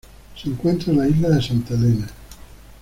Se encuentra en la isla de Santa Helena.